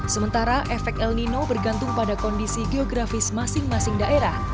sementara efek el nino bergantung pada kondisi geografis masing masing daerah